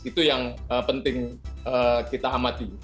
itu yang penting kita amati